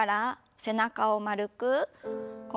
背中を丸く。